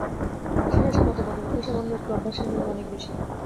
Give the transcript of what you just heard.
রাশি রাশি মতবাদ অপেক্ষা সামান্য একটু অভ্যাসের মূল্য অনেক বেশী।